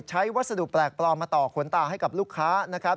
วัสดุแปลกปลอมมาต่อขนตาให้กับลูกค้านะครับ